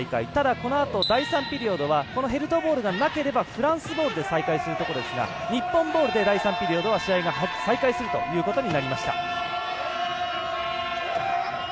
このあと第３ピリオドはヘルドボールがなければフランスボールで再開ですが日本ボールで試合が再開するということになりました。